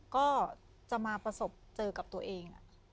ก็จะมาประสบเจอกับตัวเอง